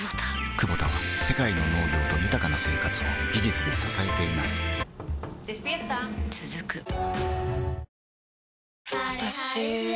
クボタは世界の農業と豊かな生活を技術で支えています起きて。